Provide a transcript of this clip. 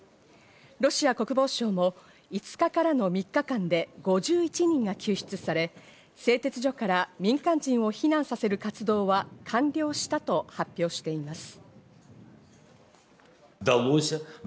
ロシア国防省は５日からの３日間で５１人が救出され、製鉄所から民間人を避難させる活動は完了したと発表しています。